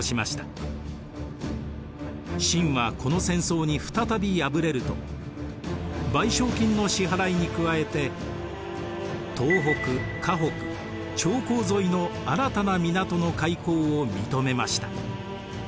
清はこの戦争に再び敗れると賠償金の支払いに加えて東北華北長江沿いの新たな港の開港を認めました。